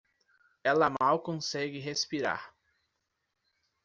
Ela mal consegue respirar